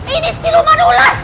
ini siluman ular